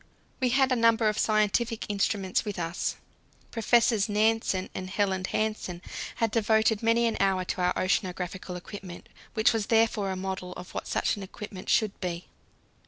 We had a number of scientific instruments with us. Professors Nansen and Helland Hansen had devoted many an hour to our oceanographical equipment, which was therefore a model of what such an equipment should be.